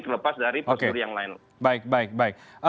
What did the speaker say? terlepas dari postur yang lain baik baik